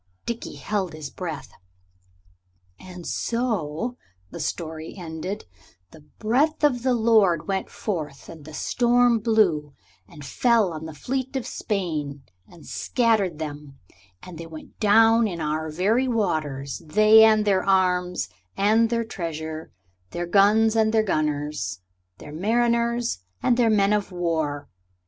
Dickie held his breath. "And so," the story ended, "the breath of the Lord went forth and the storm blew, and fell on the fleet of Spain, and scattered them; and they went down in our very waters, they and their arms and their treasure, their guns and their gunners, their mariners and their men of war.